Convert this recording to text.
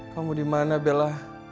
kamu dimana bella